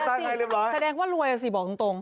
แสดงว่ารวยล่ะสิบอกจริง